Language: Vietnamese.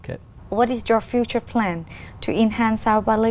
chúng ta sẽ phát triển những kế hoạch khác